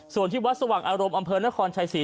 ส่วนที่วัดสว่างอารมณ์อำเภอนครชัยศรี